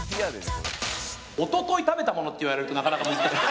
それ」一昨日食べたものって言われるとなかなか難しい。